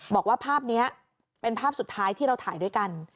บอกว่าภาพนี้เป็นภาพสุดท้ายที่เราถ่ายด้วยกัน